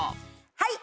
はい！